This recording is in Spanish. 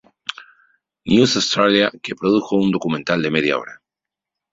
News Australia", que produjo un documental de media hora.